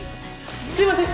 すみません。